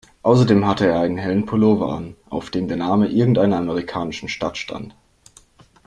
Außerdem hatte er einen hellen Pullover an, auf dem der Name irgendeiner amerikanischen Stadt stand.